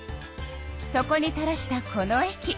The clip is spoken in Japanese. そこにたらしたこのえき。